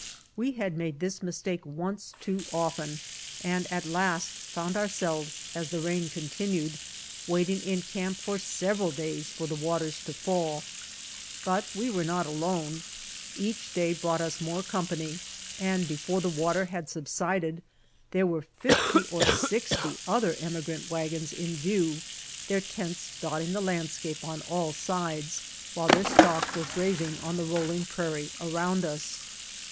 We had made this mistake once too often and at last found ourselves, as the rain continued, waiting in camp for several days for the waters to fall. But we were not alone. Each day brought us more company and before the water had subsided there were fifty or sixty other emigrant wagons in view, their tents dotting the landscape on all sides, Avhile their stock was grazing on the rolling prairie around us.